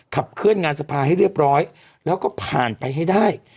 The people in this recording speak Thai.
ขับเคลื่อนงานสภาให้เรียบร้อยแล้วก็ผ่านไปให้ได้